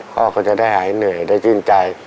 พ่อเค้าจะได้หายเหนื่อยได้ชื่นใจ